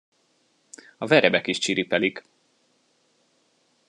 A verebek is csiripelik.